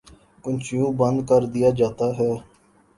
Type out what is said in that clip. کچھ یوں بند کردیا جاتا ہے